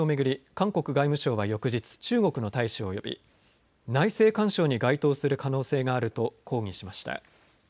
韓国外務省は翌日中国の大使を呼び内政干渉に該当する可能性があると抗議しました。